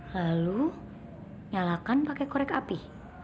lalu nyalakan pakai korek api